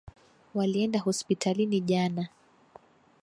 Walienda hospitalini jana